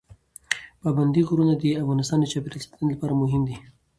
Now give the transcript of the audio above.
پابندی غرونه د افغانستان د چاپیریال ساتنې لپاره مهم دي.